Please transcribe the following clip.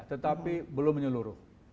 tetapi belum menyeluruh